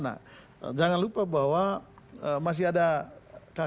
atau ini hanya salah satu ranting saja dari permainan keluarga tiongkok